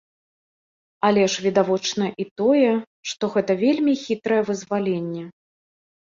Але ж відавочна і тое, што гэта вельмі хітрае вызваленне.